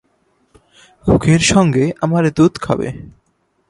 খুকির সঙ্গে আমার দুধ খাবে।